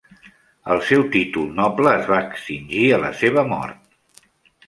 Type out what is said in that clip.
El seu títol noble es va extingir a la seva mort.